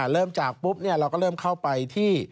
เริ่มจากปุ๊บเราก็เริ่มเข้าไปที่